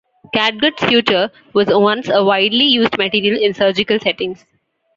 Catgut suture was once a widely used material in surgical settings.